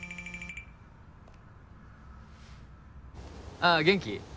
あぁ元気？